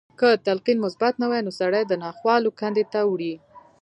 که تلقين مثبت نه وي نو سړی د ناخوالو کندې ته وړي.